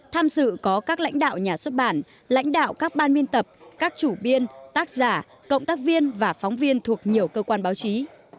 tham dự có các lãnh đạo nhà xuất bản lãnh đạo các ban biên tập các chủ biên tác giả cộng tác viên và phóng viên thuộc nhiều cơ quan báo chí